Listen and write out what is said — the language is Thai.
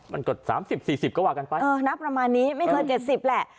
มันก็๓๐๔๐ก็ว่ากันไปเออนะประมาณนี้ไม่เกิน๗๐แหละ